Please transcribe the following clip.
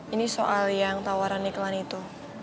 ini soal yang tawaran iklan itu